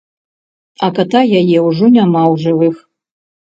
А ката яе ўжо няма ў жывых.